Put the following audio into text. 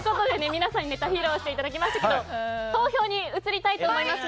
皆さんにネタ披露していただきましたが投票に移りたいと思います。